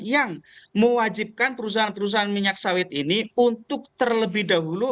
yang mewajibkan perusahaan perusahaan minyak sawit ini untuk terlebih dahulu